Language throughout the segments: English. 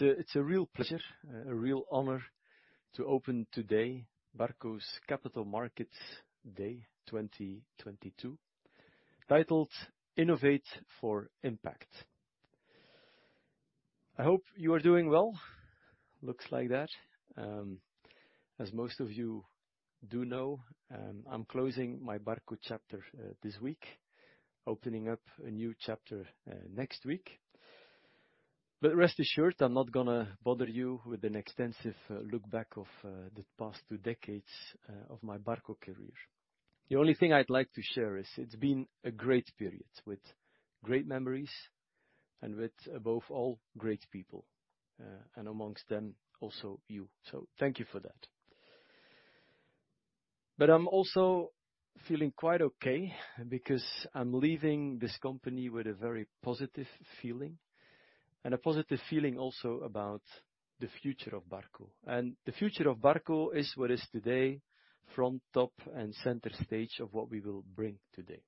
It's a real pleasure, a real honor to open today Barco's Capital Markets Day 2022, titled Innovate for Impact. I hope you are doing well. Looks like that. As most of you do know, I'm closing my Barco chapter this week, opening up a new chapter next week. Rest assured, I'm not gonna bother you with an extensive look back of the past two decades of my Barco career. The only thing I'd like to share is it's been a great period with great memories and with above all, great people, and amongst them, also you. Thank you for that. I'm also feeling quite okay because I'm leaving this company with a very positive feeling and a positive feeling also about the future of Barco. The future of Barco is what is today front top and center stage of what we will bring today.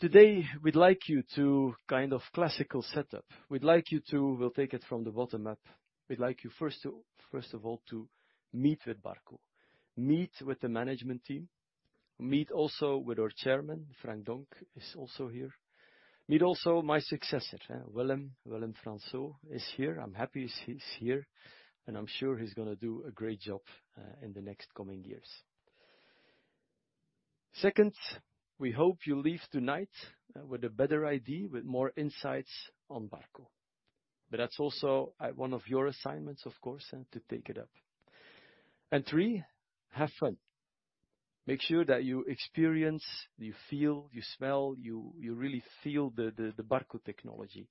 Today, we'd like you to kind of classical setup. We'll take it from the bottom up. We'd like you first to first of all, to meet with Barco, meet with the management team, meet also with our chairman, Frank Donck, is also here. Meet also my successor, Willem. Willem Fransoo is here. I'm happy he's here, and I'm sure he's gonna do a great job in the next coming years. Second, we hope you'll leave tonight with a better idea, with more insights on Barco. That's also one of your assignments, of course, and to take it up. Three, have fun. Make sure that you experience, you feel, you smell, you really feel the Barco technology.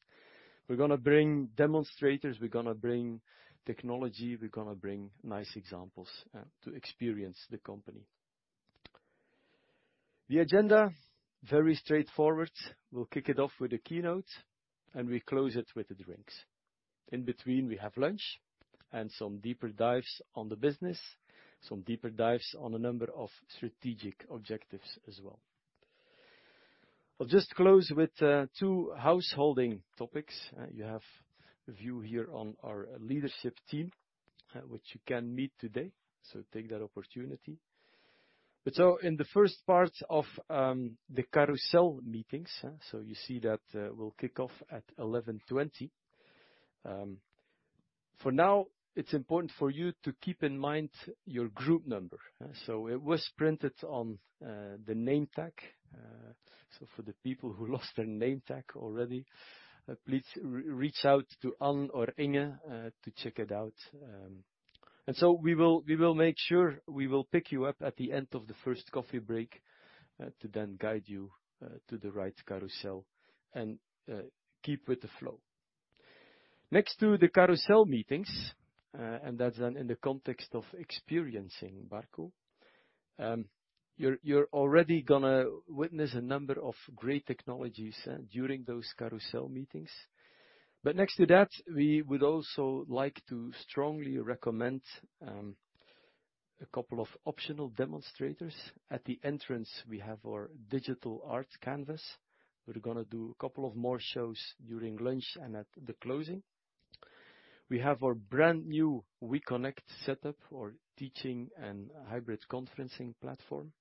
We're gonna bring demonstrators, we're gonna bring technology, we're gonna bring nice examples to experience the company. The agenda, very straightforward. We'll kick it off with the keynote, and we close it with the drinks. In between, we have lunch and some deeper dives on the business, some deeper dives on a number of strategic objectives as well. I'll just close with two housekeeping topics. You have a view here on our leadership team, which you can meet today. Take that opportunity. In the first part of the carousel meetings, you see that will kick off at 11:20. For now, it's important for you to keep in mind your group number. It was printed on the name tag. For the people who lost their name tag already, please reach out to An or Inge to check it out. We will make sure we pick you up at the end of the first coffee break to then guide you to the right carousel and keep with the flow. Next to the carousel meetings, and that's in the context of experiencing Barco, you're already gonna witness a number of great technologies during those carousel meetings. Next to that, we would also like to strongly recommend a couple of optional demonstrators. At the entrance, we have our digital art canvas. We're gonna do a couple of more shows during lunch and at the closing. We have our brand new weConnect setup for teaching and hybrid conferencing platform.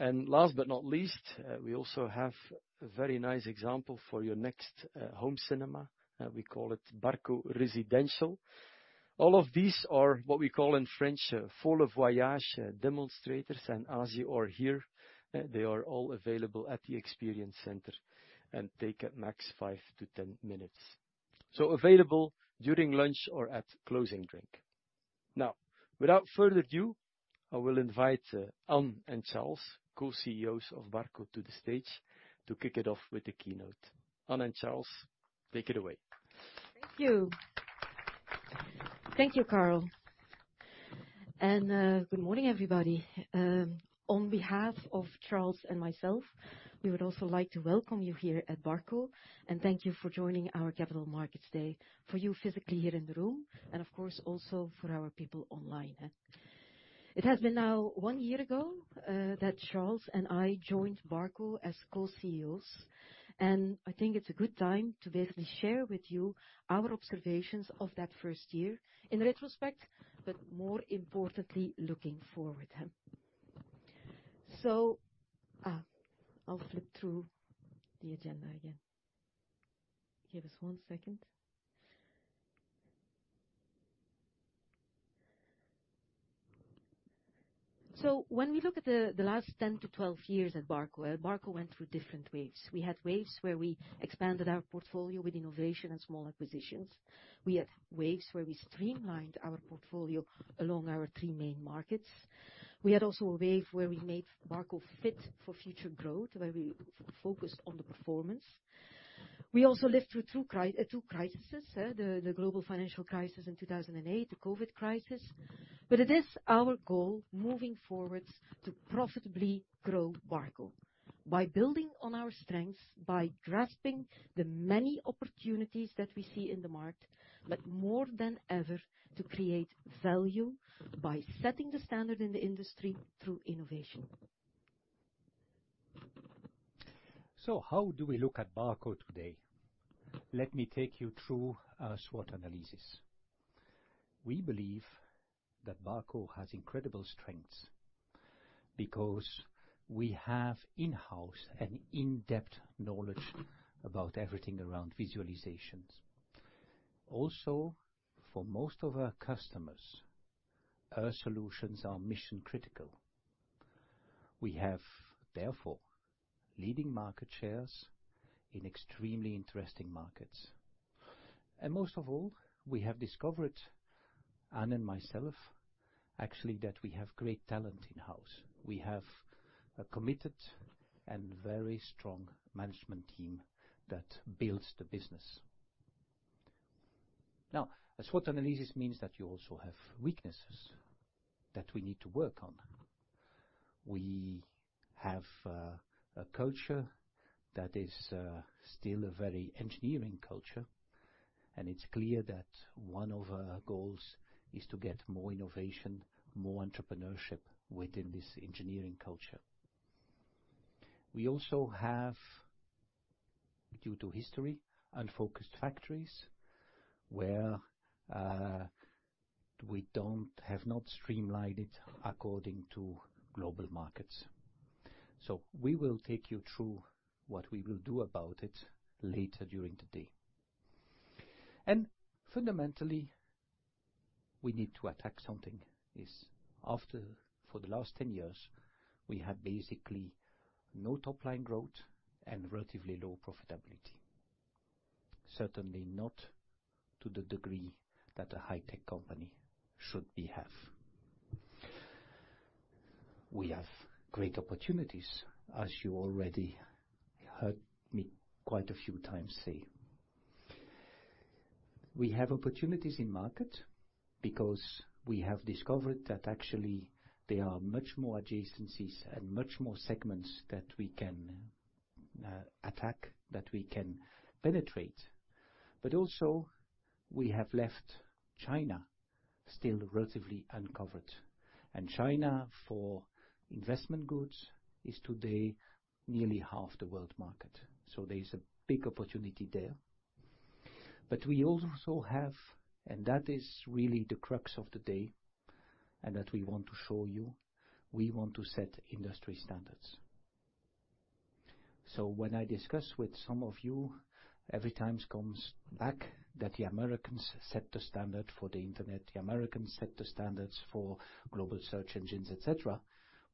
Last but not least, we also have a very nice example for your next home cinema. We call it Barco Residential. All of these are what we call in French, fleur de voyage, demonstrators. As you are here, they are all available at the experience center and take up max five-10 minutes. Available during lunch or at closing drink. Now, without further ado, I will invite Ann and Charles, co-CEOs of Barco, to the stage to kick it off with the keynote. Ann and Charles, take it away. Thank you. Thank you, Karl. Good morning, everybody. On behalf of Charles and myself, we would also like to welcome you here at Barco, and thank you for joining our Capital Markets Day for you physically here in the room, and of course, also for our people online. It has been now one year ago that Charles and I joined Barco as co-CEOs, and I think it's a good time to basically share with you our observations of that first year in retrospect, but more importantly, looking forward. I'll flip through the agenda again. Give us one second. When we look at the last 10-12 years at Barco went through different waves. We had waves where we expanded our portfolio with innovation and small acquisitions. We had waves where we streamlined our portfolio along our three main markets. We had also a wave where we made Barco fit for future growth, where we focus on the performance. We also lived through two crises, the global financial crisis in 2008, the COVID crisis. It is our goal moving forward to profitably grow Barco by building on our strengths, by grasping the many opportunities that we see in the market, but more than ever, to create value by setting the standard in the industry through innovation. How do we look at Barco today? Let me take you through our SWOT analysis. We believe that Barco has incredible strengths, because we have in-house and in-depth knowledge about everything around visualizations. Also, for most of our customers, our solutions are mission-critical. We have, therefore, leading market shares in extremely interesting markets. Most of all, we have discovered, Anne and myself, actually that we have great talent in-house. We have a committed and very strong management team that builds the business. Now, a SWOT analysis means that you also have weaknesses that we need to work on. We have a culture that is still a very engineering culture, and it's clear that one of our goals is to get more innovation, more entrepreneurship within this engineering culture. We also have, due to history, unfocused factories, where we have not streamlined it according to global markets. We will take you through what we will do about it later during the day. Fundamentally, we need to attack the fact that for the last 10 years, we had basically no top-line growth and relatively low profitability, certainly not to the degree that a high-tech company should have. We have great opportunities, as you already heard me quite a few times say. We have opportunities in the market because we have discovered that actually there are much more adjacencies and much more segments that we can attack, that we can penetrate. But also we have left China still relatively uncovered. China, for investment goods, is today nearly half the world market. There is a big opportunity there. We also have, and that is really the crux of the day, and that we want to show you. We want to set industry standards. When I discuss with some of you, every time comes back that the Americans set the standard for the Internet, the Americans set the standards for global search engines, et cetera.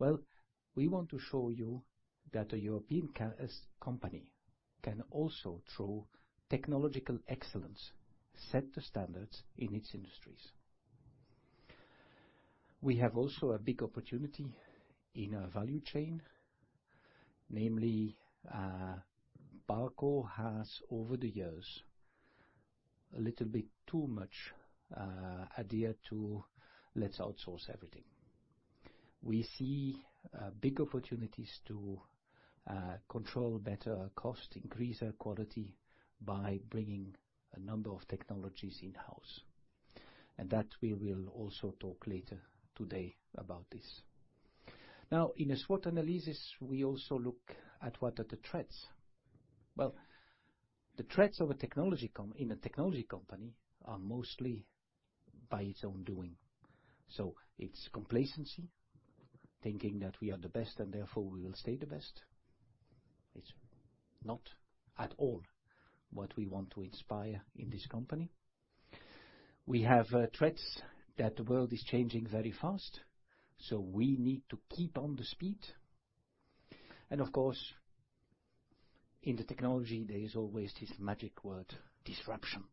Well, we want to show you that a European company can also, through technological excellence, set the standards in its industries. We have also a big opportunity in our value chain, namely, Barco has, over the years, a little bit too much idea to let's outsource everything. We see big opportunities to control better our cost, increase our quality by bringing a number of technologies in-house. That we will also talk later today about this. Now, in a SWOT analysis, we also look at what are the threats. Well, the threats of a technology company are mostly by its own doing. It's complacency, thinking that we are the best and therefore we will stay the best. It's not at all what we want to inspire in this company. We have threats that the world is changing very fast, so we need to keep on the speed. Of course, in the technology, there is always this magic word, disruption.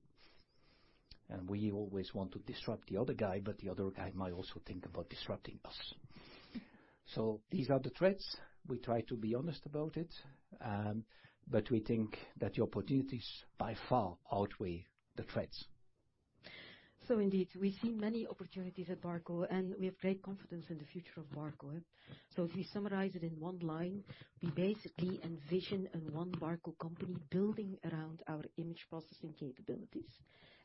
We always want to disrupt the other guy, but the other guy might also think about disrupting us. These are the threats. We try to be honest about it, but we think that the opportunities by far outweigh the threats. Indeed, we see many opportunities at Barco, and we have great confidence in the future of Barco. If we summarize it in one line, we basically envision a one Barco company building around our image processing capabilities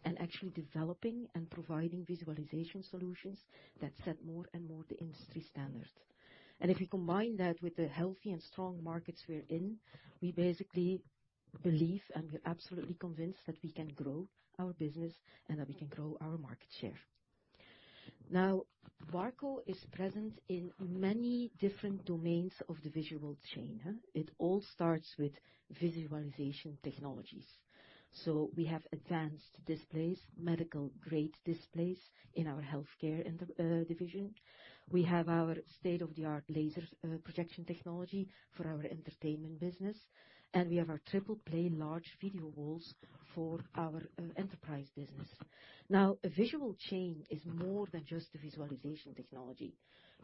and actually developing and providing visualization solutions that set more and more the industry standard. If you combine that with the healthy and strong markets we're in, we basically believe, and we are absolutely convinced that we can grow our business and that we can grow our market share. Now, Barco is present in many different domains of the visual chain. It all starts with visualization technologies. We have advanced displays, medical-grade displays in our healthcare division. We have our state-of-the-art laser projection technology for our entertainment business, and we have our triple play large video walls for our enterprise business. Now, a visual chain is more than just the visualization technology.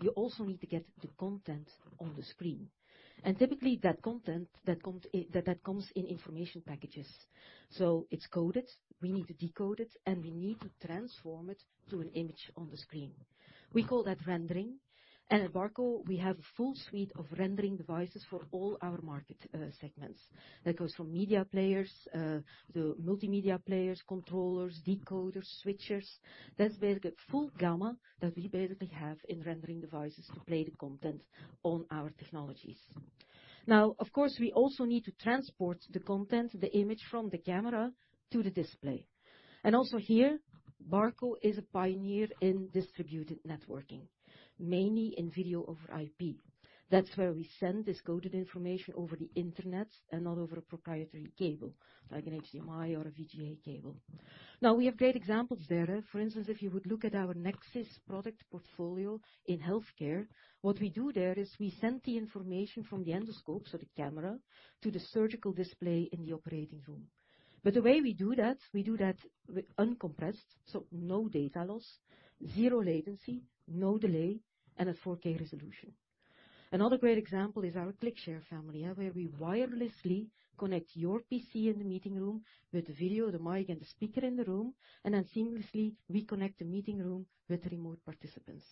You also need to get the content on the screen. Typically, that content that comes in information packages. It's coded, we need to decode it, and we need to transform it to an image on the screen. We call that rendering. At Barco, we have a full suite of rendering devices for all our market segments. That goes from media players to multimedia players, controllers, decoders, switchers. That's where the full gamma that we basically have in rendering devices to play the content on our technologies. Now, of course, we also need to transport the content, the image from the camera to the display. Also here, Barco is a pioneer in distributed networking, mainly in video over IP. That's where we send this coded information over the Internet and not over a proprietary cable, like an HDMI or a VGA cable. Now we have great examples there. For instance, if you would look at our Nexxis product portfolio in healthcare, what we do there is we send the information from the endoscope, so the camera, to the surgical display in the operating room. The way we do that, we do that with uncompressed, so no data loss, zero latency, no delay, and a 4K resolution. Another great example is our ClickShare family, where we wirelessly connect your PC in the meeting room with the video, the mic, and the speaker in the room, and then seamlessly we connect the meeting room with remote participants.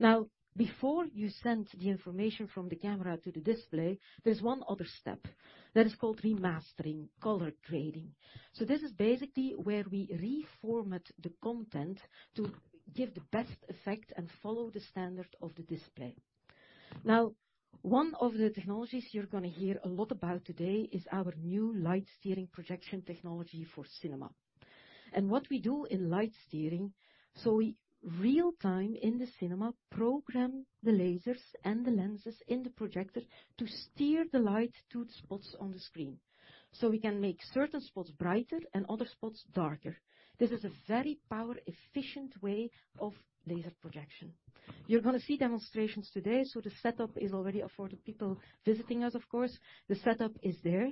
Now, before you send the information from the camera to the display, there's one other step that is called remastering, color grading. This is basically where we reformat the content to give the best effect and follow the standard of the display. Now, one of the technologies you're gonna hear a lot about today is our new Lightsteering projection technology for cinema. What we do in Lightsteering, so we real-time in the cinema, program the lasers and the lenses in the projector to steer the light to the spots on the screen, so we can make certain spots brighter and other spots darker. This is a very power efficient way of laser projection. You're gonna see demonstrations today, so the setup is already for the people visiting us of course, the setup is there.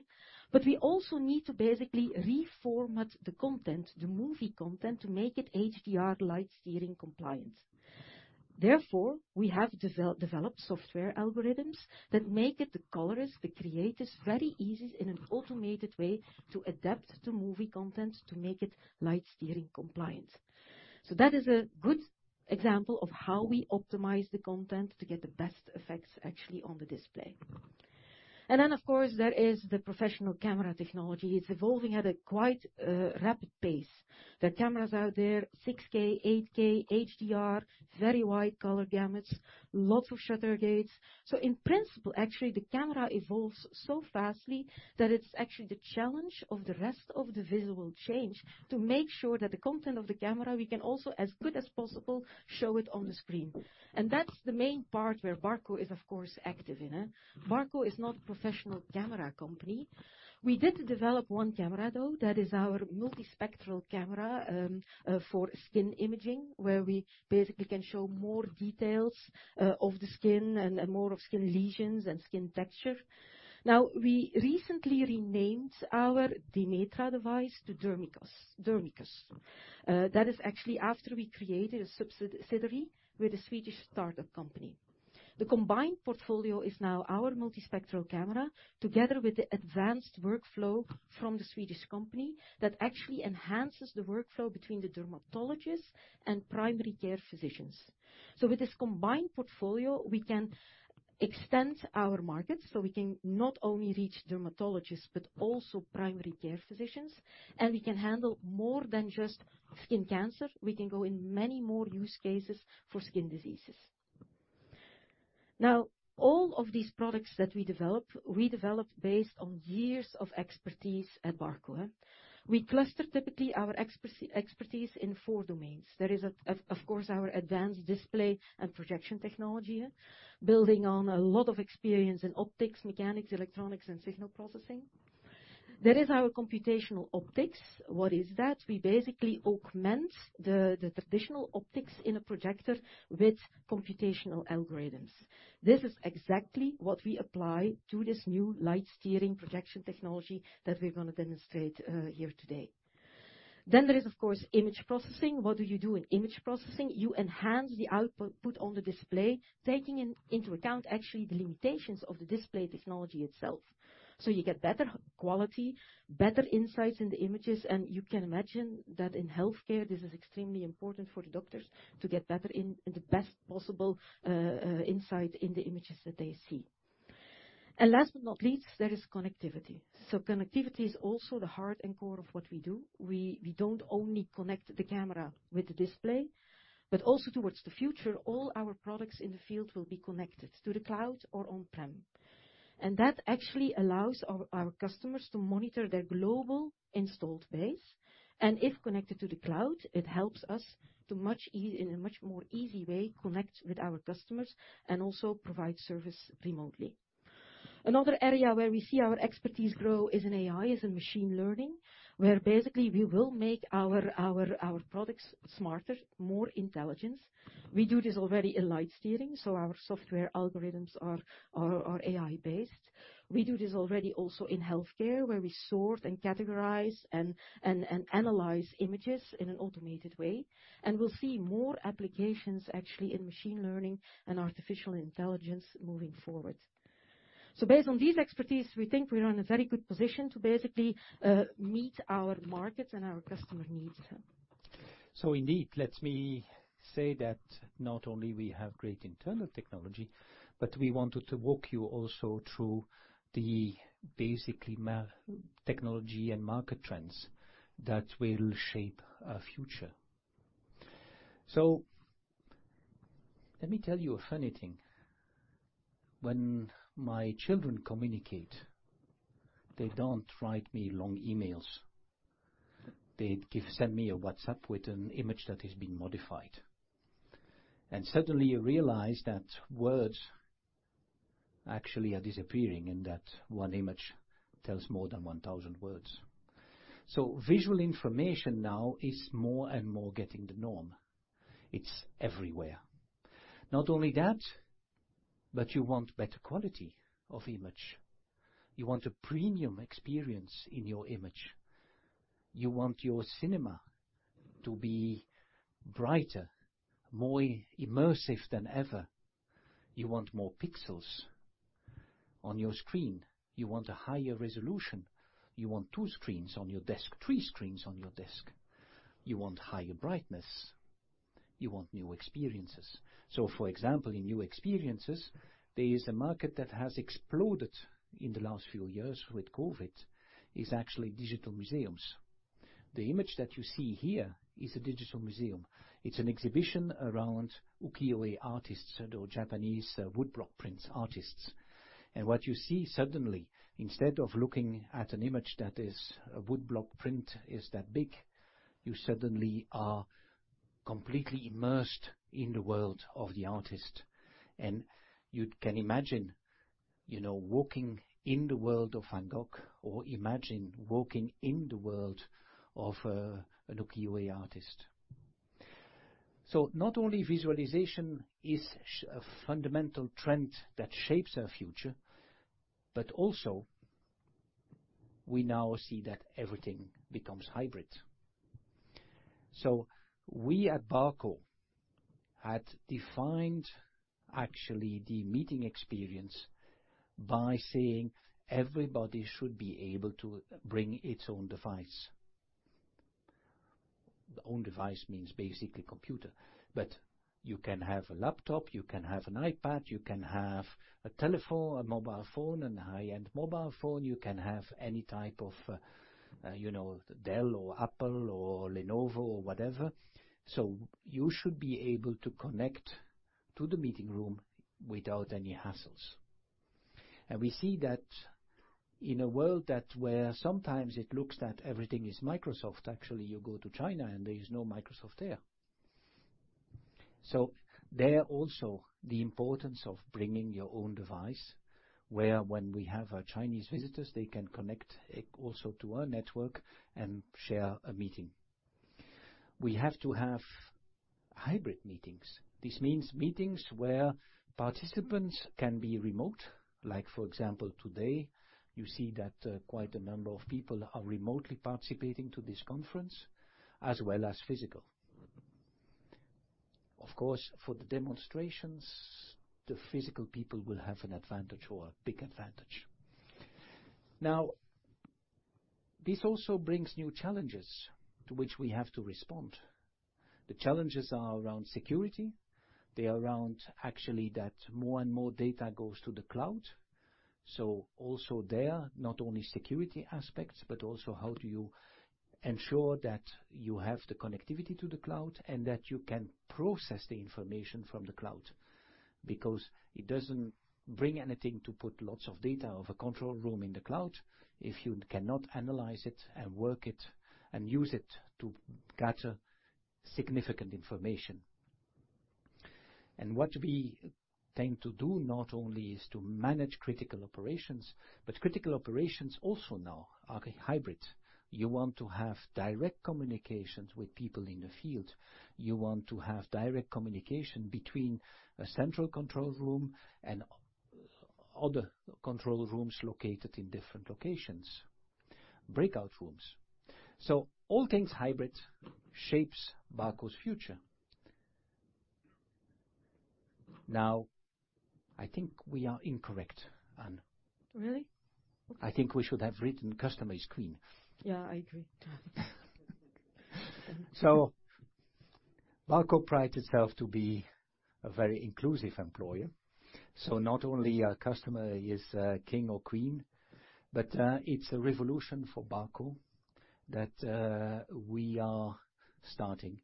We also need to basically reformat the content, the movie content, to make it HDR Lightsteering compliant. Therefore, we have developed software algorithms that make it the colorist, the creators, very easy in an automated way to adapt the movie content to make it Lightsteering compliant. That is a good example of how we optimize the content to get the best effects actually on the display. Of course, there is the professional camera technology. It's evolving at a quite rapid pace. The cameras out there, 6K, 8K, HDR, very wide color gamuts, lots of shutter gates. In principle, actually, the camera evolves so fast that it's actually the challenge of the rest of the visual chain to make sure that the content of the camera, we can also, as good as possible, show it on the screen. That's the main part where Barco is of course, active in it. Barco is not a professional camera company. We did develop one camera, though. That is our multispectral camera for skin imaging, where we basically can show more details of the skin and more of skin lesions and skin texture. Now, we recently renamed our Demetra device to Dermicus. That is actually after we created a subsidiary with a Swedish startup company. The combined portfolio is now our multispectral camera together with the advanced workflow from the Swedish company that actually enhances the workflow between the dermatologists and primary care physicians. With this combined portfolio, we can extend our market. We can not only reach dermatologists but also primary care physicians, and we can handle more than just skin cancer. We can go in many more use cases for skin diseases. Now, all of these products that we develop, we develop based on years of expertise at Barco. We cluster typically our expertise in four domains. There is of course, our advanced display and projection technology, building on a lot of experience in optics, mechanics, electronics, and signal processing. There is our computational optics. What is that? We basically augment the traditional optics in a projector with computational algorithms. This is exactly what we apply to this new Lightsteering projection technology that we're gonna demonstrate here today. There is, of course, image processing. What do you do in image processing? You enhance the output on the display, taking into account actually the limitations of the display technology itself. You get better quality, better insights in the images, and you can imagine that in healthcare, this is extremely important for the doctors to get the best possible insight in the images that they see. Last but not least, there is connectivity. Connectivity is also the heart and core of what we do. We don't only connect the camera with the display, but also towards the future, all our products in the field will be connected to the cloud or on-prem. That actually allows our customers to monitor their global installed base. If connected to the cloud, it helps us in a much more easy way connect with our customers and also provide service remotely. Another area where we see our expertise grow is in AI, is in machine learning, where basically we will make our products smarter, more intelligent. We do this already in Lightsteering, so our software algorithms are AI based. We do this already also in healthcare, where we sort and categorize and analyze images in an automated way. We'll see more applications actually in machine learning and artificial intelligence moving forward. Based on this expertise, we think we are in a very good position to basically meet our markets and our customer needs. Indeed, let me say that not only we have great internal technology, but we wanted to walk you also through the technology and market trends that will shape our future. Let me tell you a funny thing. When my children communicate, they don't write me long emails. They send me a WhatsApp with an image that has been modified. Suddenly you realize that words actually are disappearing, and that one image tells more than 1,000 words. Visual information now is more and more getting the norm. It's everywhere. Not only that, but you want better quality of image. You want a premium experience in your image. You want your cinema to be brighter, more immersive than ever. You want more pixels on your screen. You want a higher resolution. You want two screens on your desk, three screens on your desk. You want higher brightness. You want new experiences. For example, in new experiences, there is a market that has exploded in the last few years with COVID, is actually digital museums. The image that you see here is a digital museum. It's an exhibition around ukiyo-e artists or Japanese woodblock prints artists. What you see suddenly, instead of looking at an image that is a woodblock print, is that big, you suddenly are completely immersed in the world of the artist. You can imagine, you know, walking in the world of Van Gogh or imagine walking in the world of an ukiyo-e artist. Not only visualization is a fundamental trend that shapes our future, but also we now see that everything becomes hybrid. We at Barco had defined actually the meeting experience by saying everybody should be able to bring its own device. The own device means basically computer, but you can have a laptop, you can have an iPad, you can have a telephone, a mobile phone, a high-end mobile phone. You can have any type of, you know, Dell or Apple or Lenovo or whatever. You should be able to connect to the meeting room without any hassles. We see that in a world where sometimes it looks like everything is Microsoft. Actually, you go to China and there is no Microsoft there. There's also the importance of bringing your own device, where when we have our Chinese visitors, they can connect also to our network and share a meeting. We have to have hybrid meetings. This means meetings where participants can be remote. Like, for example, today, you see that quite a number of people are remotely participating to this conference, as well as physical. Of course, for the demonstrations, the physical people will have an advantage or a big advantage. Now, this also brings new challenges to which we have to respond. The challenges are around security. They are around actually that more and more data goes to the cloud. Also there, not only security aspects, but also how do you ensure that you have the connectivity to the cloud and that you can process the information from the cloud. Because it doesn't bring anything to put lots of data of a control room in the cloud if you cannot analyze it and work it and use it to gather significant information. What we tend to do not only is to manage critical operations, but critical operations also now are hybrid. You want to have direct communications with people in the field. You want to have direct communication between a central control room and other control rooms located in different locations, breakout rooms. All things hybrid shapes Barco's future. Now, I think we are incorrect, Anne. Really? I think we should have written customer is queen. Yeah, I agree. Barco prides itself to be a very inclusive employer. Not only a customer is king or queen, but it's a revolution for Barco that we are starting,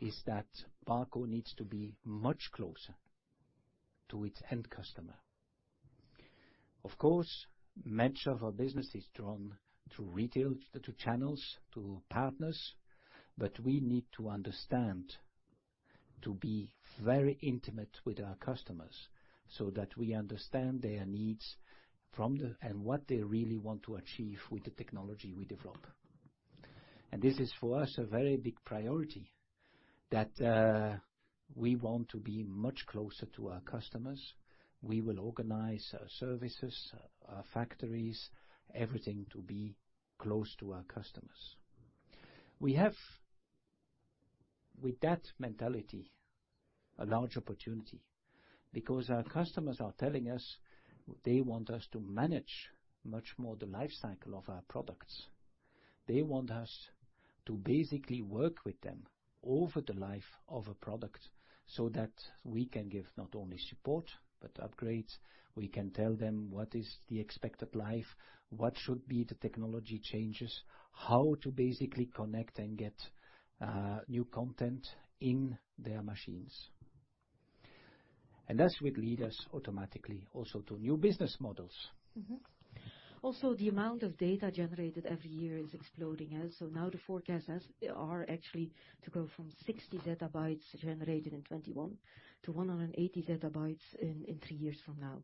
is that Barco needs to be much closer to its end customer. Of course, much of our business is drawn through retail, to channels, to partners, but we need to understand, to be very intimate with our customers so that we understand their needs and what they really want to achieve with the technology we develop. This is for us a very big priority that we want to be much closer to our customers. We will organize our services, our factories, everything to be close to our customers. We have, with that mentality, a large opportunity because our customers are telling us they want us to manage much more the life cycle of our products. They want us to basically work with them over the life of a product. That we can give not only support but upgrades. We can tell them what is the expected life, what should be the technology changes, how to basically connect and get new content in their machines. That's what lead us automatically also to new business models. Also, the amount of data generated every year is exploding. Now the forecasts as they are actually to go from 60 zettabytes generated in 2021-180 zettabytes in three years from now.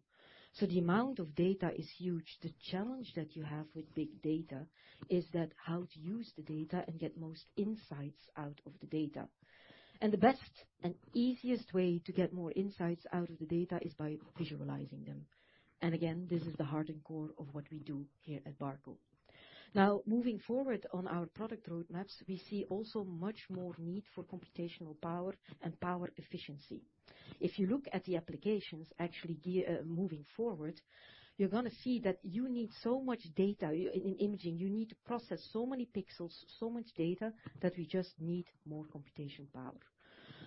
The amount of data is huge. The challenge that you have with big data is that how to use the data and get most insights out of the data. The best and easiest way to get more insights out of the data is by visualizing them. Again, this is the heart and core of what we do here at Barco. Now, moving forward on our product roadmaps, we see also much more need for computational power and power efficiency. If you look at the applications actually moving forward, you're gonna see that you need so much data in imaging, you need to process so many pixels, so much data that we just need more computation power.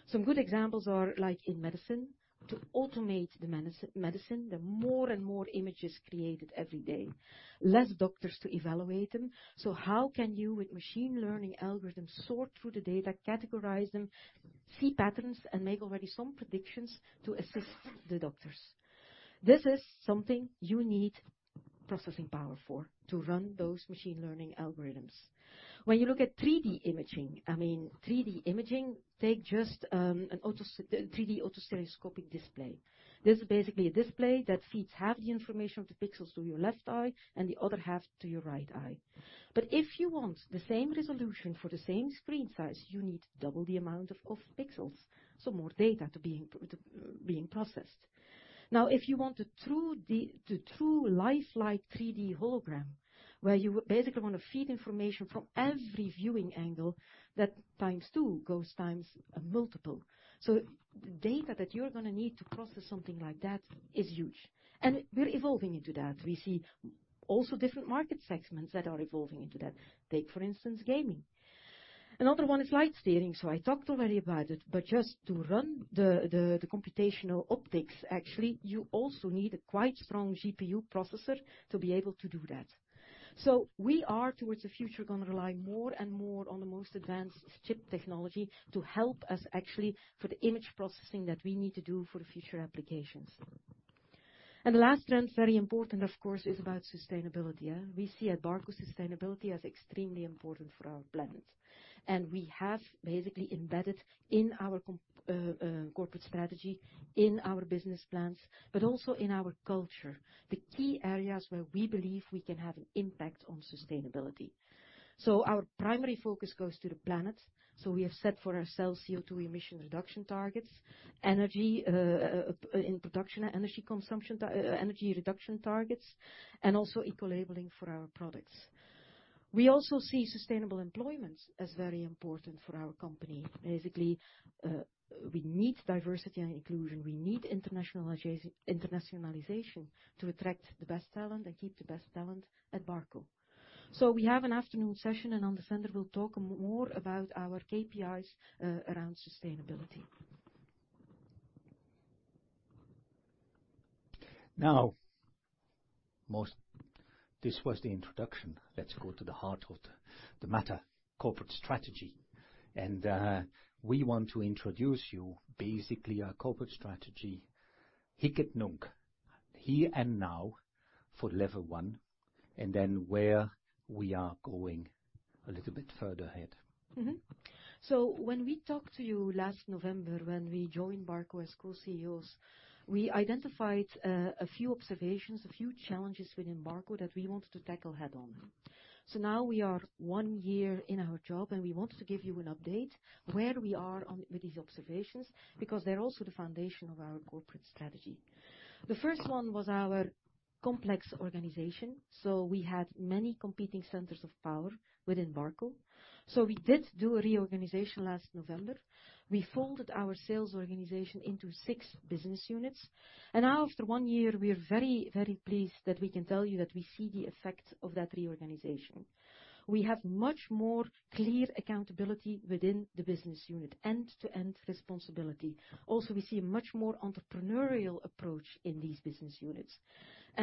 Some good examples are like in medicine. To automate the medicine, there are more and more images created every day, less doctors to evaluate them. How can you, with machine learning algorithms, sort through the data, categorize them, see patterns, and make already some predictions to assist the doctors? This is something you need processing power for to run those machine learning algorithms. When you look at 3D imaging, I mean, 3D imaging, take just a 3D autostereoscopic display. This is basically a display that feeds half the information of the pixels to your left eye and the other half to your right eye. If you want the same resolution for the same screen size, you need double the amount of pixels, so more data to be processed. Now, if you want the true lifelike 3D hologram where you basically want to feed information from every viewing angle that times two goes times a multiple. The data that you're gonna need to process something like that is huge, and we're evolving into that. We see also different market segments that are evolving into that. Take, for instance, gaming. Another one is Lightsteering. I talked already about it, but just to run the computational optics, actually, you also need a quite strong GPU processor to be able to do that. We are towards the future, gonna rely more and more on the most advanced chip technology to help us actually for the image processing that we need to do for the future applications. The last trend, very important of course, is about sustainability, yeah. We see sustainability at Barco as extremely important for our planet, and we have basically embedded in our corporate strategy, in our business plans, but also in our culture, the key areas where we believe we can have an impact on sustainability. Our primary focus goes to the planet. We have set for ourselves CO2 emission reduction targets, energy in production, energy reduction targets, and also eco-labeling for our products. We also see sustainable employment as very important for our company. Basically, we need diversity and inclusion. We need internationalization to attract the best talent and keep the best talent at Barco. We have an afternoon session, and Ann Desender will talk more about our KPIs around sustainability. This was the introduction. Let's go to the heart of the matter, corporate strategy. We want to introduce you basically our corporate strategy, hic et nunc, here and now for level one, and then where we are going a little bit further ahead. When we talked to you last November when we joined Barco as co-CEOs, we identified a few observations, a few challenges within Barco that we wanted to tackle head-on. Now we are one year in our job, and we want to give you an update where we are on with these observations, because they're also the foundation of our corporate strategy. The first one was our complex organization, so we had many competing centers of power within Barco. We did do a reorganization last November. We folded our sales organization into six business units. Now after one year, we are very, very pleased that we can tell you that we see the effect of that reorganization. We have much more clear accountability within the business unit, end-to-end responsibility. Also, we see a much more entrepreneurial approach in these business units.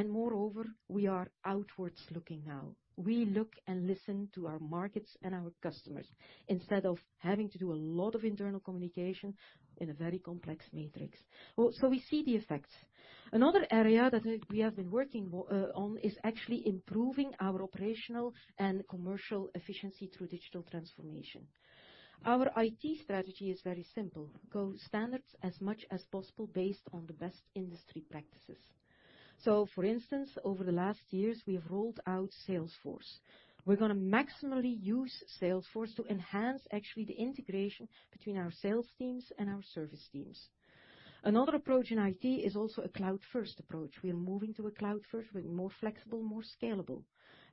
Moreover, we are outwards looking now. We look and listen to our markets and our customers instead of having to do a lot of internal communication in a very complex matrix. Well, we see the effects. Another area that we have been working on is actually improving our operational and commercial efficiency through digital transformation. Our IT strategy is very simple: go standards as much as possible based on the best industry practices. For instance, over the last years, we have rolled out Salesforce. We're gonna maximally use Salesforce to enhance actually the integration between our sales teams and our service teams. Another approach in IT is also a cloud-first approach. We are moving to a cloud-first. We're more flexible, more scalable,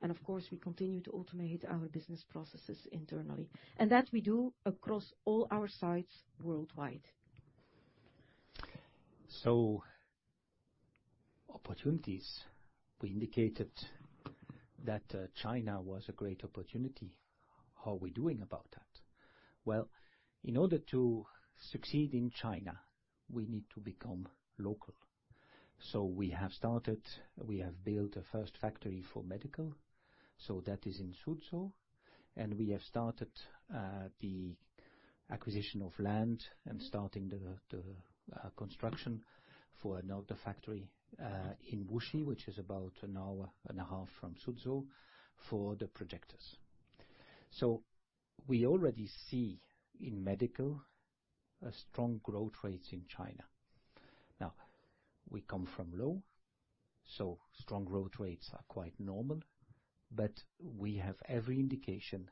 and of course, we continue to automate our business processes internally, and that we do across all our sites worldwide. Opportunities. We indicated that China was a great opportunity. How are we doing about that? Well, in order to succeed in China, we need to become local. We have built a first factory for medical, so that is in Suzhou. We have started the acquisition of land and starting the construction for another factory in Wuxi, which is about an hour and a half from Suzhou, for the projectors. We already see in medical a strong growth rates in China. Now, we come from low, so strong growth rates are quite normal, but we have every indication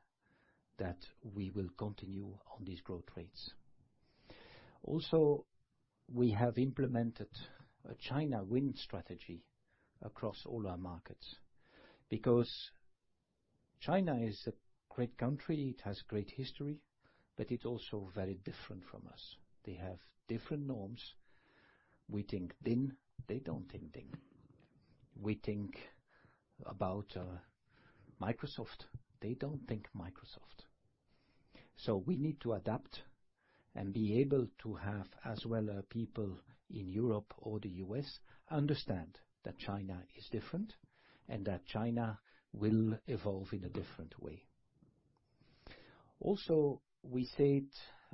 that we will continue on these growth rates. We have implemented a China win strategy across all our markets because China is a great country, it has great history, but it's also very different from us. They have different norms. We think DIN, they don't think DIN. We think about Microsoft, they don't think Microsoft. We need to adapt and be able to have as well people in Europe or the U.S. understand that China is different and that China will evolve in a different way. Also, we said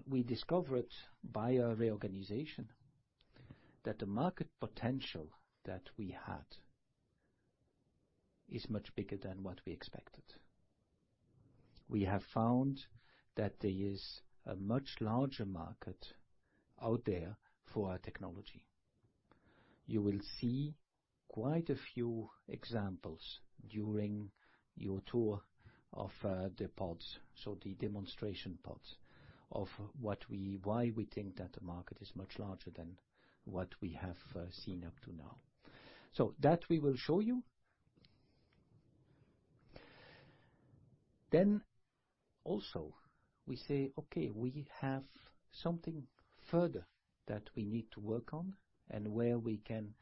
we discovered by our reorganization that the market potential that we had is much bigger than what we expected. We have found that there is a much larger market out there for our technology. You will see quite a few examples during your tour of the pods, so the demonstration pods, of why we think that the market is much larger than what we have seen up to now, that we will show you. We say, "Okay, we have something further that we need to work on and where we can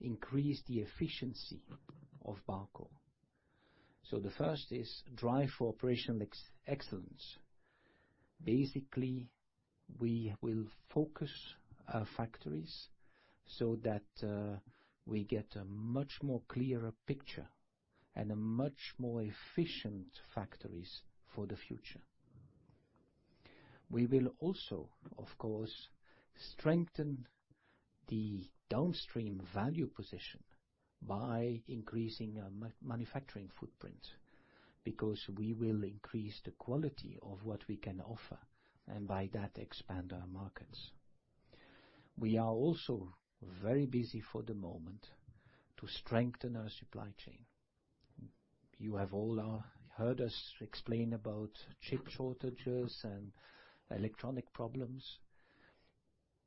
increase the efficiency of Barco." The first is drive for operational excellence. Basically, we will focus our factories so that we get a much more clearer picture and a much more efficient factories for the future. We will also, of course, strengthen the downstream value position by increasing our manufacturing footprint because we will increase the quality of what we can offer, and by that, expand our markets. We are also very busy for the moment to strengthen our supply chain. You have all heard us explain about chip shortages and electronic problems.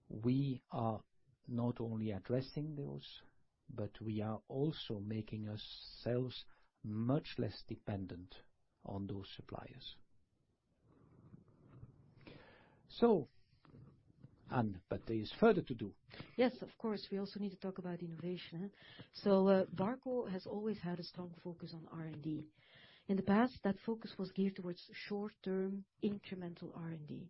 We are not only addressing those, but we are also making ourselves much less dependent on those suppliers. An, but there is further to do. Yes, of course. We also need to talk about innovation. Barco has always had a strong focus on R&D. In the past, that focus was geared towards short-term incremental R&D.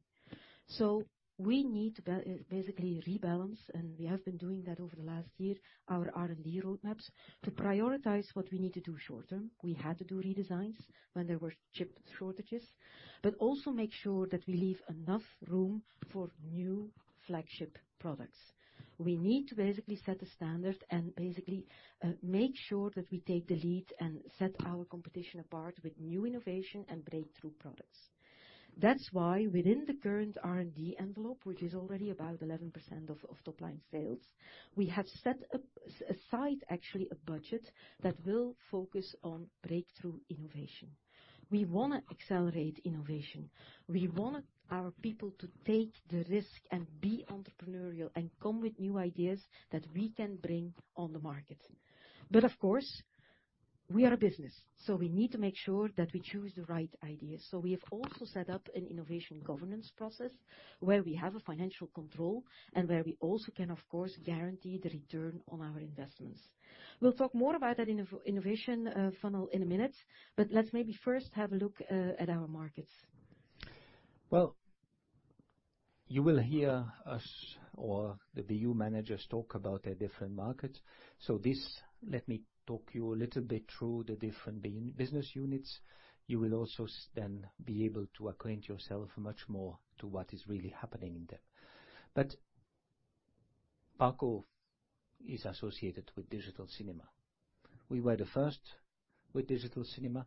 We need to basically rebalance, and we have been doing that over the last year, our R&D roadmaps to prioritize what we need to do short term. We had to do redesigns when there were chip shortages, but also make sure that we leave enough room for new flagship products. We need to basically set a standard and basically, make sure that we take the lead and set our competition apart with new innovation and breakthrough products. That's why within the current R&D envelope, which is already about 11% of top-line sales, we have set aside actually a budget that will focus on breakthrough innovation. We wanna accelerate innovation. We want our people to take the risk and be entrepreneurial and come with new ideas that we can bring on the market. Of course, we are a business, so we need to make sure that we choose the right ideas. We have also set up an innovation governance process where we have a financial control and where we also can, of course, guarantee the return on our investments. We'll talk more about that innovation funnel in a minute, but let's maybe first have a look at our markets. You will hear us or the BU managers talk about their different markets. Let me talk you a little bit through the different business units. You will also then be able to acquaint yourself much more to what is really happening in them. Barco is associated with digital cinema. We were the first with digital cinema.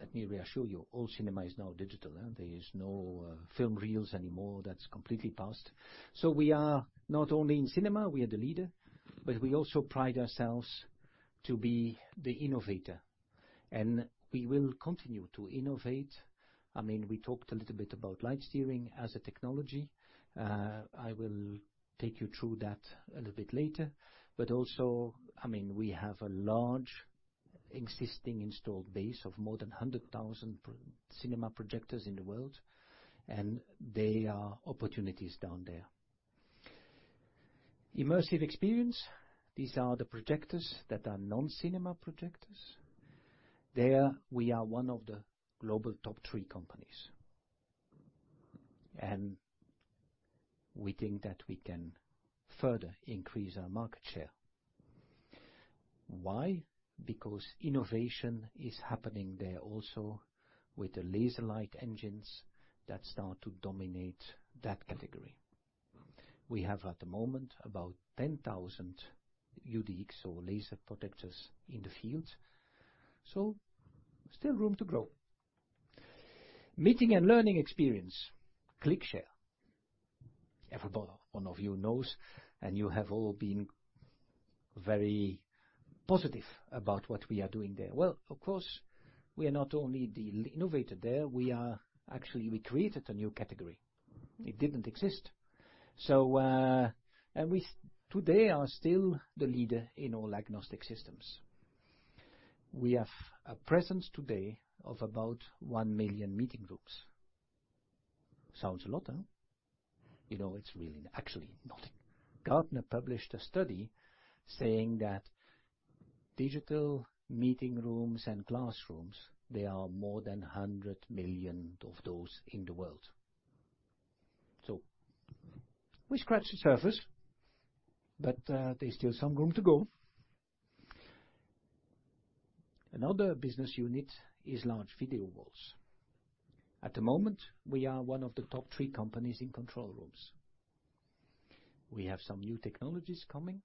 Let me reassure you, all cinema is now digital, there is no film reels anymore. That's completely past. We are not only in cinema, we are the leader, but we also pride ourselves to be the innovator, and we will continue to innovate. I mean, we talked a little bit about Lightsteering as a technology. I will take you through that a little bit later. I mean, we have a large existing installed base of more than 100,000 cinema projectors in the world, and there are opportunities down there. Immersive experience, these are the projectors that are non-cinema projectors. There we are one of the global top three companies. We think that we can further increase our market share. Why? Because innovation is happening there also with the laser light engines that start to dominate that category. We have at the moment about 10,000 UDMs or laser projectors in the field. Still room to grow. Meeting and learning experience, ClickShare. Every one of you knows and you have all been very positive about what we are doing there. Well, of course, we are not only the innovator there, we are actually, we created a new category. It didn't exist. We today are still the leader in all agnostic systems. We have a presence today of about 1 million meeting rooms. Sounds a lot, huh? You know, it's really actually nothing. Gartner published a study saying that digital meeting rooms and classrooms, there are more than 100 million of those in the world. We scratch the surface, but there's still some room to go. Another business unit is large video walls. At the moment, we are one of the top three companies in control rooms. We have some new technologies coming,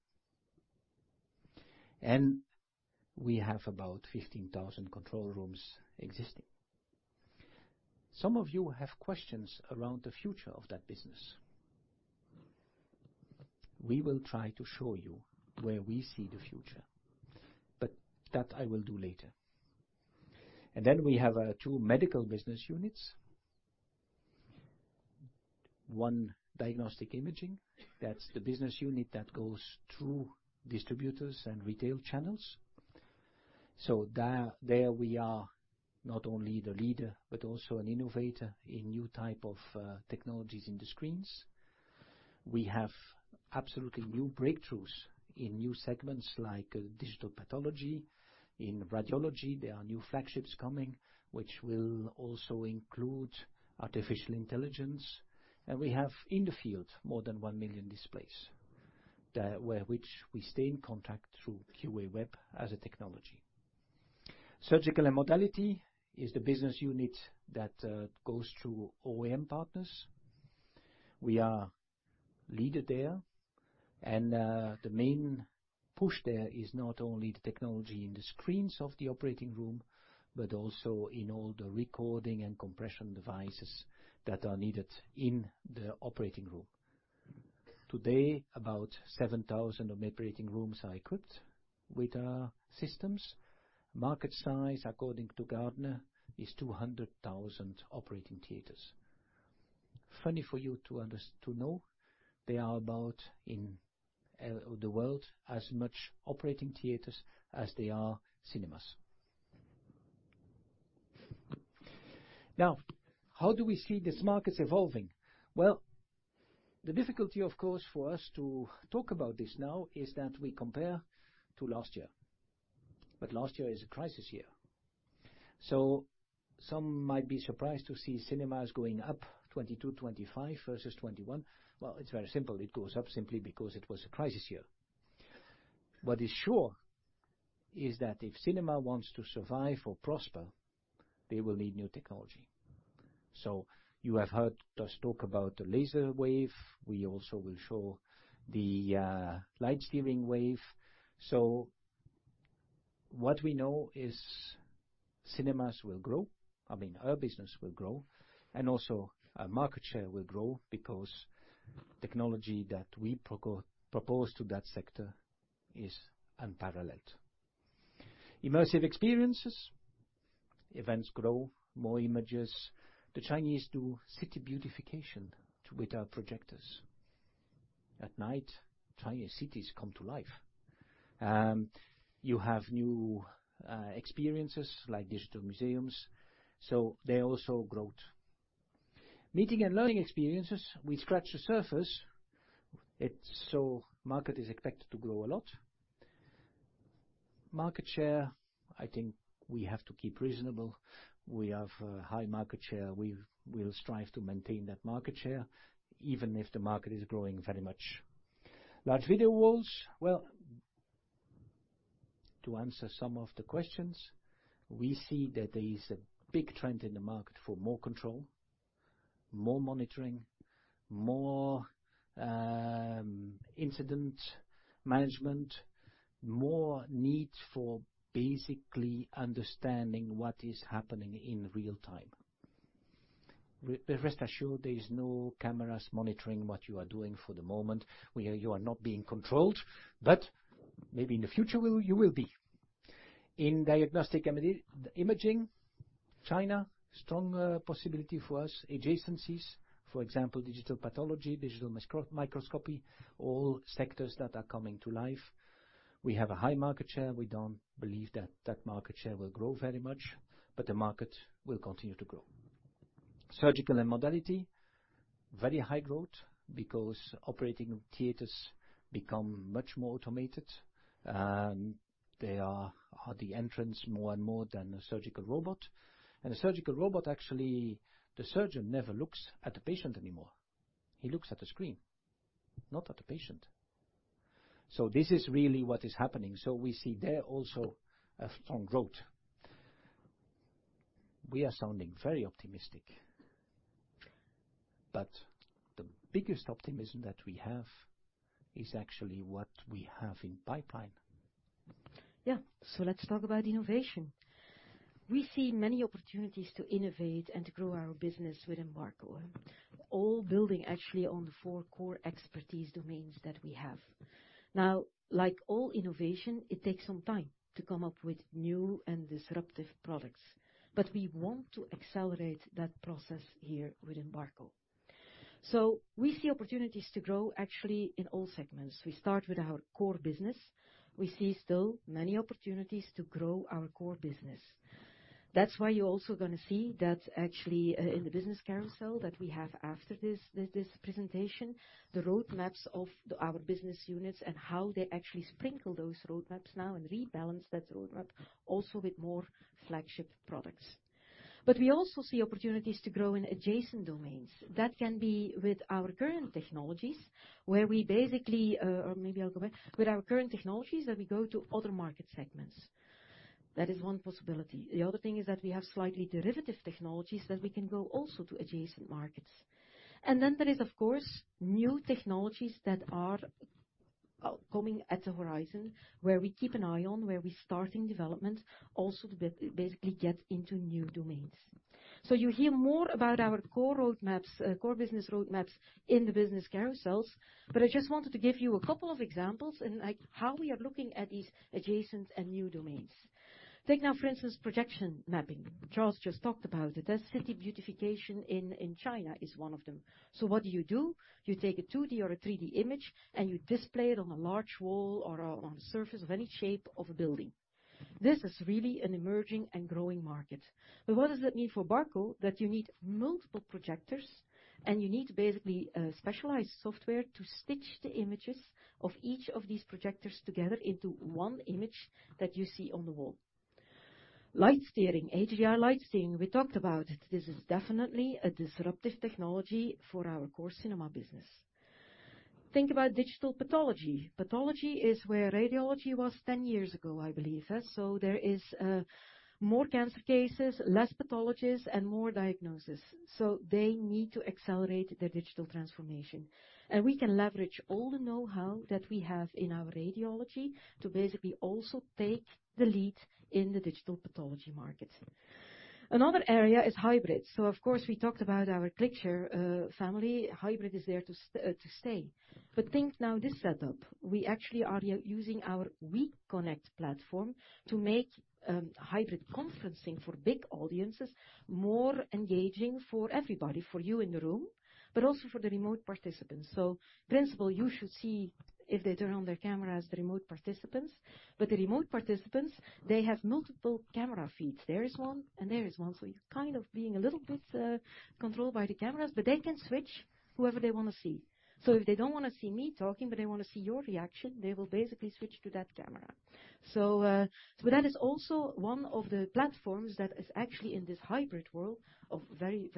and we have about 15,000 control rooms existing. Some of you have questions around the future of that business. We will try to show you where we see the future, but that I will do later. We have two medical business units. One, diagnostic imaging. That's the business unit that goes through distributors and retail channels. There we are not only the leader, but also an innovator in new type of technologies in the screens. We have absolutely new breakthroughs in new segments like digital pathology. In radiology, there are new flagships coming, which will also include artificial intelligence. We have in the field more than 1 million displays, where we stay in contact through QAWeb as a technology. Surgical and modality is the business unit that goes through OEM partners. We are leader there. The main push there is not only the technology in the screens of the operating room, but also in all the recording and compression devices that are needed in the operating room. Today, about 7,000 operating rooms are equipped with our systems. Market size, according to Gartner, is 200,000 operating theaters. Funny for you to know, there are about as many in the world operating theaters as there are cinemas. Now, how do we see these markets evolving? The difficulty, of course, for us to talk about this now is that we compare to last year, but last year is a crisis year. Some might be surprised to see cinemas going up 22%-25% versus 21%. It's very simple. It goes up simply because it was a crisis year. What is sure is that if cinema wants to survive or prosper, they will need new technology. You have heard us talk about the laser wave. We also will show the Lightsteering wave. What we know is cinemas will grow. I mean, our business will grow, and also our market share will grow because technology that we propose to that sector is unparalleled. Immersive experiences, events grow, more images. The Chinese do city beautification with our projectors. At night, Chinese cities come to life. You have new experiences like digital museums, so they also grow. Meeting and learning experiences, we scratch the surface. It's so market is expected to grow a lot. Market share, I think we have to keep reasonable. We have high market share. We'll strive to maintain that market share even if the market is growing very much. Large video walls. Well, to answer some of the questions, we see that there is a big trend in the market for more control, more monitoring, more incident management, more need for basically understanding what is happening in real-time. Rest assured, there is no cameras monitoring what you are doing for the moment, where you are not being controlled, but maybe in the future will, you will be. In diagnostic and medical imaging. China, strong possibility for us. Adjacencies, for example, digital pathology, digital microscopy, all sectors that are coming to life. We have a high market share. We don't believe that market share will grow very much, but the market will continue to grow. Surgical modality, very high growth because operating theaters become much more automated. There are more and more surgical robots. A surgical robot, actually, the surgeon never looks at the patient anymore. He looks at the screen, not at the patient. This is really what is happening. We see there also a strong growth. We are sounding very optimistic, but the biggest optimism that we have is actually what we have in pipeline. Yeah. Let's talk about innovation. We see many opportunities to innovate and to grow our business with Barco, all building actually on the four core expertise domains that we have. Now, like all innovation, it takes some time to come up with new and disruptive products, but we want to accelerate that process here with Barco. We see opportunities to grow actually in all segments. We start with our core business. We see still many opportunities to grow our core business. That's why you're also gonna see that actually, in the business carousel that we have after this presentation, the road maps of our business units and how they actually sprinkle those road maps now and rebalance that road map also with more flagship products. We also see opportunities to grow in adjacent domains. That can be with our current technologies, where we basically... Maybe I'll go back. With our current technologies, that we go to other market segments. That is one possibility. The other thing is that we have slightly derivative technologies that we can go also to adjacent markets. There is, of course, new technologies that are coming at the horizon, where we keep an eye on, where we start in development, also basically get into new domains. You hear more about our core road maps, core business road maps in the business verticals. I just wanted to give you a couple of examples in, like, how we are looking at these adjacent and new domains. Take now, for instance, projection mapping. Charles just talked about it. City beautification in China is one of them. What do you do? You take a 2D or a 3D image, and you display it on a large wall or on the surface of any shape of a building. This is really an emerging and growing market. What does that mean for Barco? That you need multiple projectors, and you need basically specialized software to stitch the images of each of these projectors together into one image that you see on the wall. Lightsteering, HDR Lightsteering, we talked about it. This is definitely a disruptive technology for our core cinema business. Think about digital pathology. Pathology is where radiology was 10 years ago, I believe. There is more cancer cases, less pathologists, and more diagnosis. They need to accelerate their digital transformation. We can leverage all the know-how that we have in our radiology to basically also take the lead in the digital pathology market. Another area is hybrid. Of course, we talked about our ClickShare family. Hybrid is there to stay. Think now this setup. We actually are using our weConnect platform to make hybrid conferencing for big audiences more engaging for everybody, for you in the room, but also for the remote participants. Principally, you should see if they turn on their cameras, the remote participants. The remote participants, they have multiple camera feeds. There is one, and there is one. It's kind of being a little bit controlled by the cameras, but they can switch whoever they wanna see. If they don't wanna see me talking, but they wanna see your reaction, they will basically switch to that camera. That is also one of the platforms that is actually in this hybrid world of very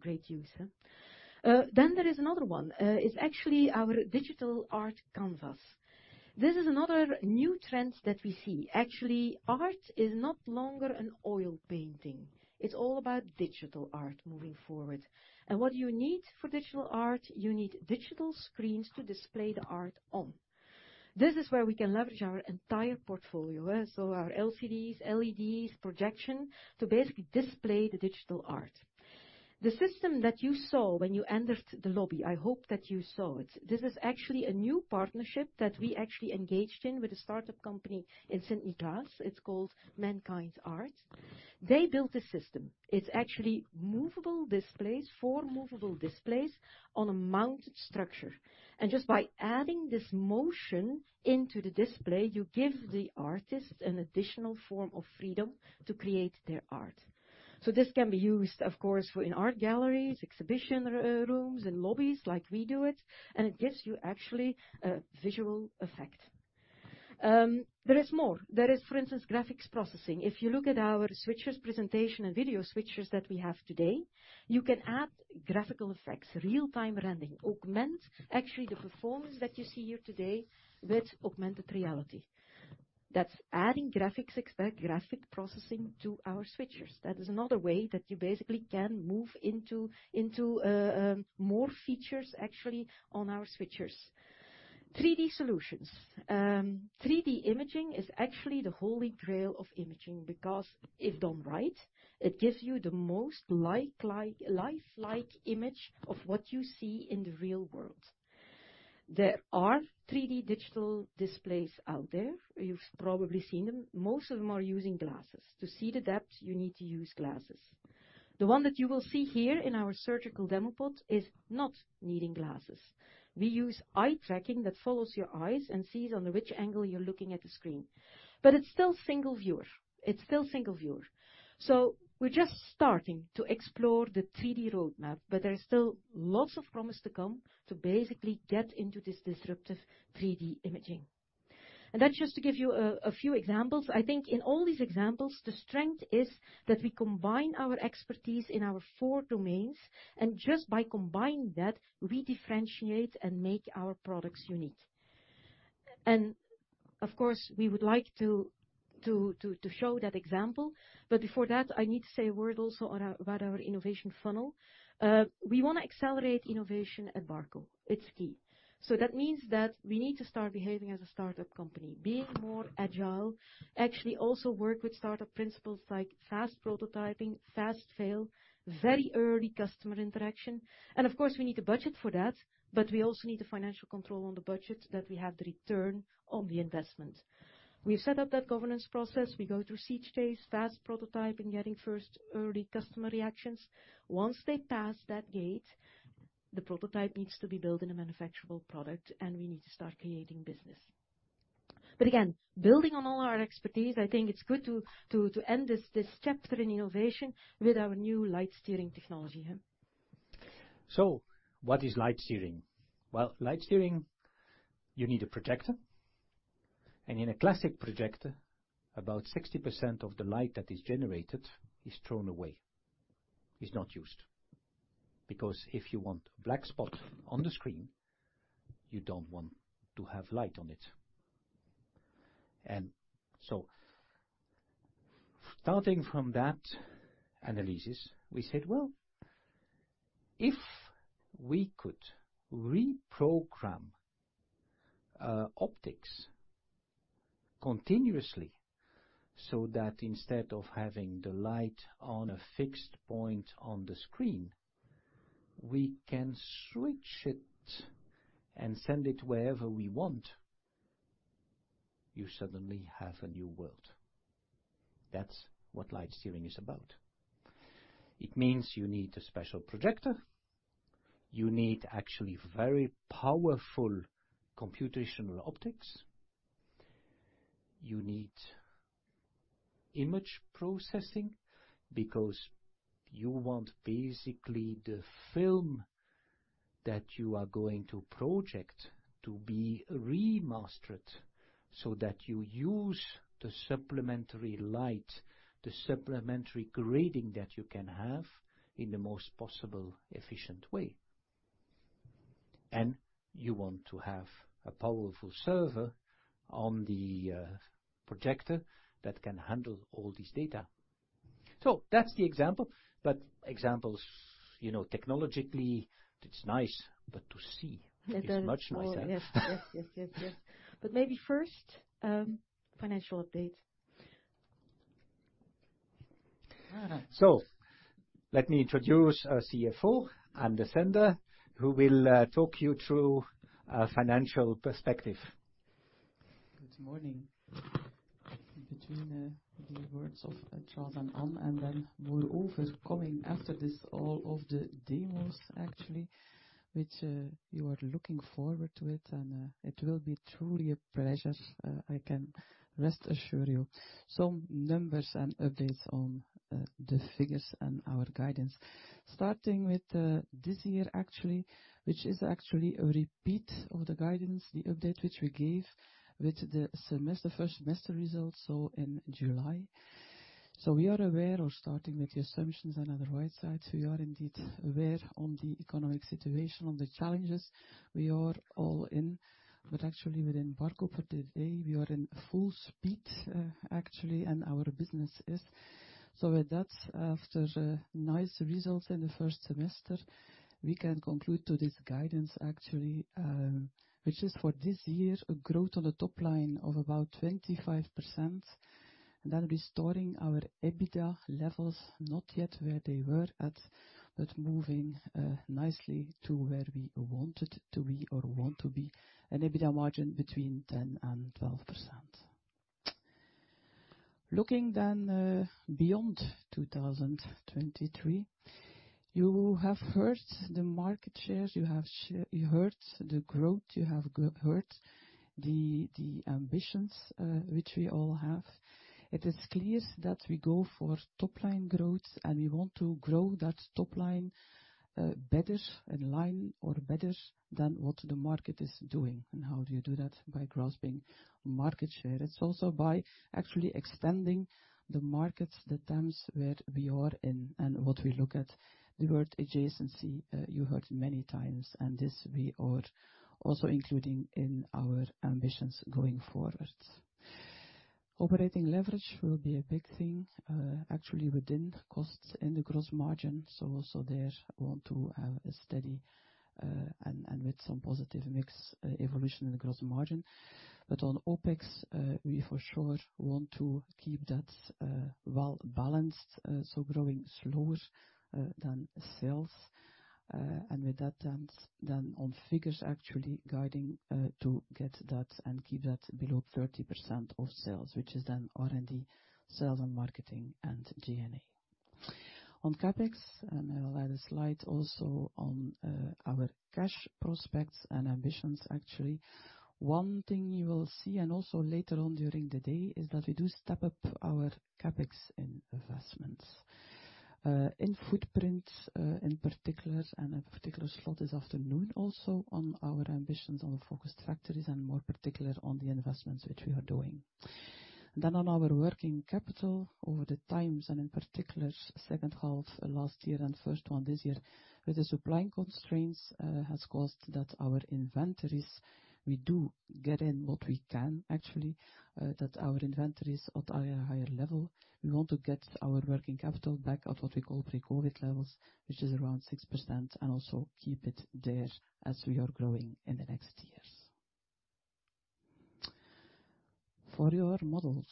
great use. There is another one. It's actually our digital art canvas. This is another new trend that we see. Actually, art is no longer an oil painting. It's all about digital art moving forward. What you need for digital art, you need digital screens to display the art on. This is where we can leverage our entire portfolio, so our LCDs, LEDs, projection, to basically display the digital art. The system that you saw when you entered the lobby, I hope that you saw it. This is actually a new partnership that we actually engaged in with a startup company in Sint-Niklaas. It's called Mankind Art. They built a system. It's actually movable displays, four movable displays on a mounted structure. Just by adding this motion into the display, you give the artist an additional form of freedom to create their art. This can be used, of course, for in art galleries, exhibition rooms, in lobbies, like we do it, and it gives you actually a visual effect. There is more. There is, for instance, graphics processing. If you look at our switchers presentation and video switchers that we have today, you can add graphical effects, real-time rendering, augment actually the performance that you see here today with augmented reality. That's adding graphic processing to our switchers. That is another way that you basically can move into more features actually on our switchers. 3D solutions. 3D imaging is actually the holy grail of imaging because if done right, it gives you the most lifelike image of what you see in the real world. There are 3D digital displays out there. You've probably seen them. Most of them are using glasses. To see the depth, you need to use glasses. The one that you will see here in our surgical demo pod is not needing glasses. We use eye tracking that follows your eyes and sees on which angle you're looking at the screen. It's still single viewer. We're just starting to explore the 3D roadmap, but there is still lots of promise to come to basically get into this disruptive 3D imaging. That's just to give you a few examples. I think in all these examples, the strength is that we combine our expertise in our four domains, and just by combining that, we differentiate and make our products unique. Of course, we would like to show that example. Before that I need to say a word also about our innovation funnel. We wanna accelerate innovation at Barco. It's key. That means that we need to start behaving as a startup company, being more agile, actually also work with startup principles like fast prototyping, fast fail, very early customer interaction. Of course, we need to budget for that, but we also need the financial control on the budget that we have the return on the investment. We've set up that governance process. We go through seed phase, fast prototyping, getting first early customer reactions. Once they pass that gate, the prototype needs to be built in a manufacturable product, and we need to start creating business. Again, building on all our expertise, I think it's good to end this chapter in innovation with our new Lightsteering technology. What is Lightsteering? Well, Lightsteering, you need a projector, and in a classic projector, about 60% of the light that is generated is thrown away. It's not used. Because if you want black spot on the screen, you don't want to have light on it. Starting from that analysis, we said, "Well, if we could reprogram, optics continuously so that instead of having the light on a fixed point on the screen, we can switch it and send it wherever we want, you suddenly have a new world." That's what Lightsteering is about. It means you need a special projector. You need actually very powerful computational optics. You need image processing because you want basically the film that you are going to project to be remastered so that you use the supplementary light, the supplementary grading that you can have in the most possible efficient way. You want to have a powerful server on the projector that can handle all this data. That's the example. Examples, you know, technologically it's nice, but to see is much nicer. Yes. Maybe first, financial update. Let me introduce our CFO, Ann Desender, who will talk you through a financial perspective. Good morning. Between the words of Charles and Ann, and then moreover coming after this, all of the demos actually, which you are looking forward to it, and it will be truly a pleasure, I can assure you. Some numbers and updates on the figures and our guidance. Starting with this year actually, which is actually a repeat of the guidance, the update which we gave with the first semester results, so in July. We are aware, starting with the assumptions and on the right side, we are indeed aware of the economic situation, on the challenges we are all in. Actually within Barco today, we are in full speed actually, and our business is. With that, after nice results in the first semester, we can conclude to this guidance actually, which is for this year a growth on the top line of about 25%. That restoring our EBITDA levels, not yet where they were at, but moving nicely to where we wanted to be or want to be, an EBITDA margin between 10% and 12%. Looking then beyond 2023, you have heard the market share, you have heard the growth, you have heard the ambitions which we all have. It is clear that we go for top line growth, and we want to grow that top line better in line or better than what the market is doing. How do you do that? By grasping market share. It's also by actually extending the markets, the terms where we are in and what we look at. The word adjacency, you heard many times, and this we are also including in our ambitions going forward. Operating leverage will be a big thing, actually within costs in the gross margin. Also there want to have a steady, and with some positive mix, evolution in the gross margin. On OpEx, we for sure want to keep that well balanced, so growing slower than sales. And with that then on figures actually guiding to get that and keep that below 30% of sales, which is then R&D, sales and marketing, and G&A. On CapEx, and I will add a slide also on our cash prospects and ambitions actually. One thing you will see, and also later on during the day, is that we do step up our CapEx investments in footprint, in particular, and in particular also this afternoon on our ambitions on the focused factories and more particular on the investments which we are doing. On our working capital over time and in particular second half last year and first half this year, with the supply constraints, has caused that our inventories, we do get in what we can actually, that our inventory is at a higher level. We want to get our working capital back at what we call pre-COVID levels, which is around 6%, and also keep it there as we are growing in the next years. For your models,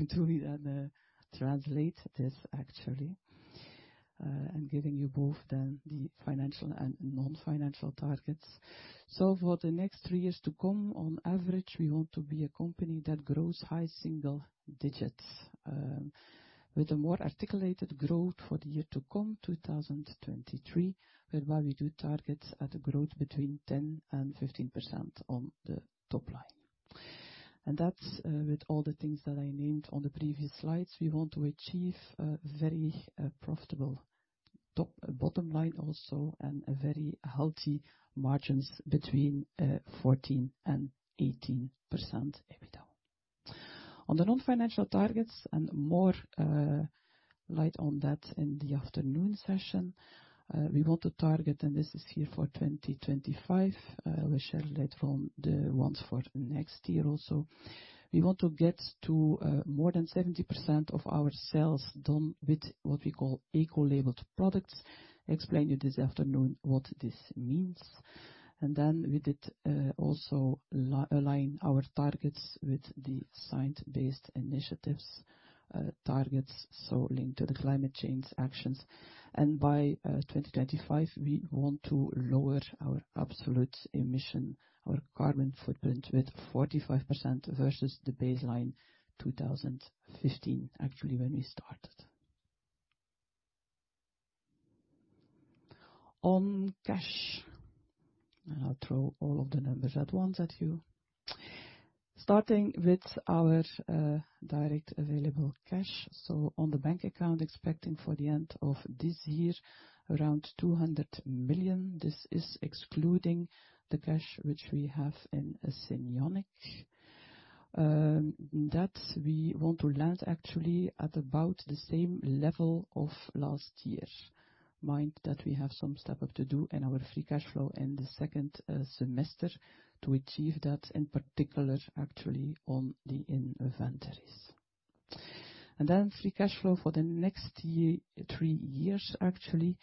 we do then translate this actually, and giving you both then the financial and non-financial targets. For the next three years to come, on average, we want to be a company that grows high single digits with a more articulated growth for the year to come, 2023, whereby we do target a growth between 10% and 15% on the top line. With all the things that I named on the previous slides, we want to achieve a very profitable top and bottom line also, and very healthy margins between 14% and 18% EBITDA. On the non-financial targets and more light on that in the afternoon session, we want to target, and this is here for 2025. We'll highlight the ones for next year also. We want to get to more than 70% of our sales done with what we call Eco-labeled products. explain to you this afternoon what this means. We did also align our targets with the Science Based Targets initiative targets, so linked to the climate change actions. By 2025, we want to lower our absolute emission, our carbon footprint with 45% versus the baseline 2015, actually, when we started. I'll throw all of the numbers at once at you. Starting with our direct available cash on the bank account, expecting for the end of this year, around 200 million. This is excluding the cash which we have in Cinionic, that we want to land actually at about the same level of last year. Mind that we have some step-up to do in our free cash flow in the second semester to achieve that, in particular, actually on the inventories. Free cash flow for the next three years, actually,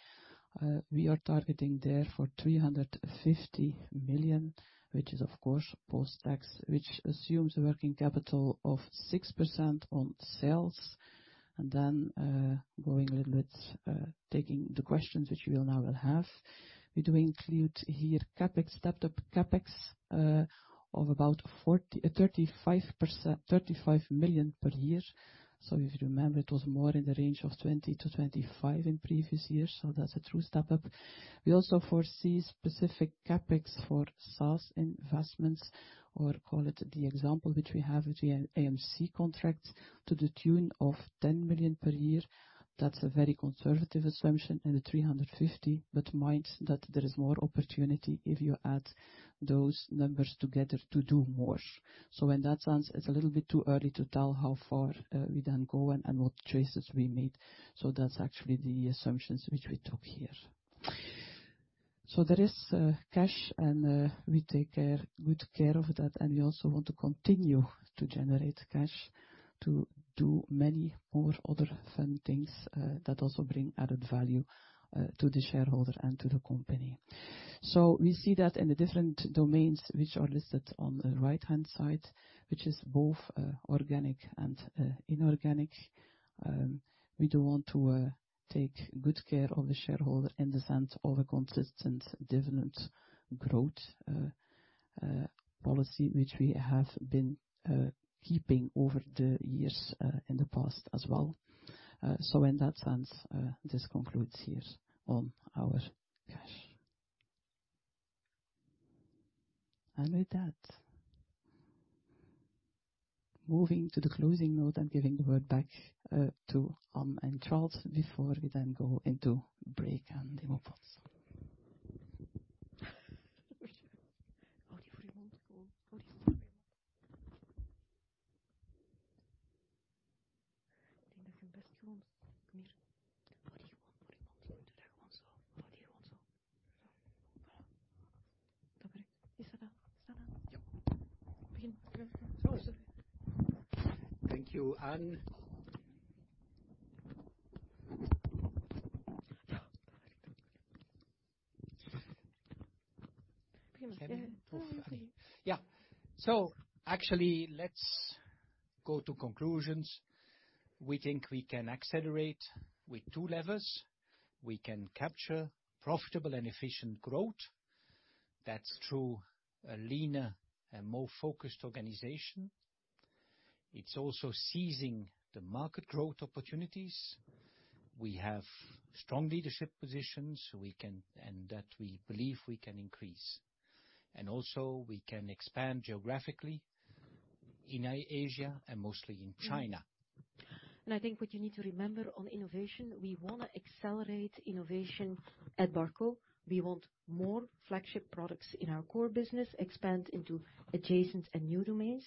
we are targeting there for 350 million, which is of course post-tax, which assumes a working capital of 6% on sales. Going a little bit, taking the questions which we will now have. We do include here CapEx, stepped-up CapEx, of about 35 million per year. If you remember, it was more in the range of 20-25 in previous years. That's a true step up. We also foresee specific CapEx for SaaS investments, or call it the example which we have with the AMC contract to the tune of 10 million per year. That's a very conservative assumption in the 350 million. But mind that there is more opportunity if you add those numbers together to do more. In that sense, it's a little bit too early to tell how far we then go and what choices we made. That's actually the assumptions which we took here. There is cash, and we take good care of that. We also want to continue to generate cash to do many more other fun things that also bring added value to the shareholder and to the company. We see that in the different domains which are listed on the right-hand side, which is both organic and inorganic. We do want to take good care of the shareholder in the sense of a consistent dividend growth policy which we have been keeping over the years in the past as well. In that sense, this concludes here on our cash. With that, moving to the closing note and giving the word back to Anne and Charles before we then go into break and demo pods. Thank you, Anne. Yeah. Actually, let's go to conclusions. We think we can accelerate with two levers. We can capture profitable and efficient growth. That's through a leaner and more focused organization. It's also seizing the market growth opportunities. We have strong leadership positions, and that we believe we can increase. Also we can expand geographically in Asia and mostly in China. I think what you need to remember on innovation, we wanna accelerate innovation at Barco. We want more flagship products in our core business, expand into adjacent and new domains.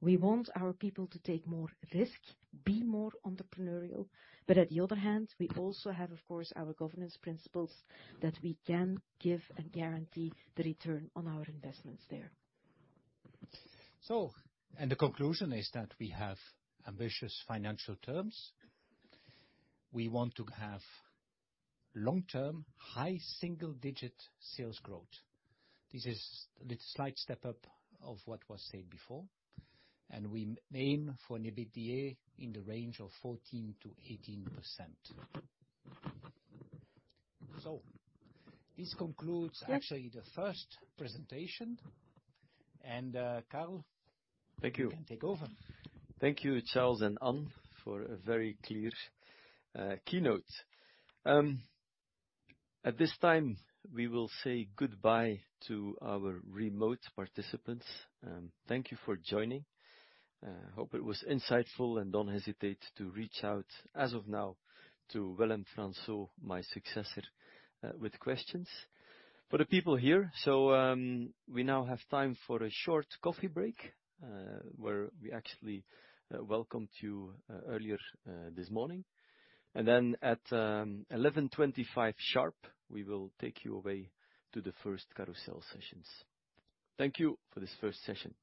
We want our people to take more risk, be more entrepreneurial. On the other hand, we also have, of course, our governance principles that we can give and guarantee the return on our investments there. The conclusion is that we have ambitious financial terms. We want to have long-term, high single-digit sales growth. This is a slight step up of what was said before, and we aim for an EBITDA in the range of 14%-18%. This concludes actually the first presentation. Karl- Thank you. You can take over. Thank you, Charles and Anne, for a very clear keynote. At this time, we will say goodbye to our remote participants. Thank you for joining. Hope it was insightful, and don't hesitate to reach out as of now to Willem Fransoo, my successor, with questions. For the people here, we now have time for a short coffee break, where we actually welcomed you earlier this morning. At 11:25 A.M. sharp, we will take you away to the first carousel sessions. Thank you for this first session.